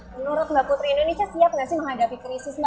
menurut mbak putri indonesia siap nggak sih menghadapi krisis ini